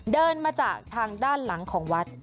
เดินมาจากทางด้านหลังของวัด